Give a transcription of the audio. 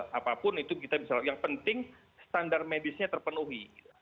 jadi apapun itu kita bisa yang penting standar medisnya terpenuhi